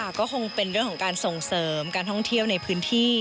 ก็คงเป็นเรื่องของการส่งเสริมการท่องเที่ยวในพื้นที่